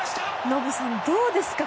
ノブさん、どうですか？